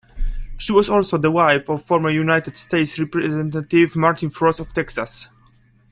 She was also the wife of former United States Representative Martin Frost of Texas.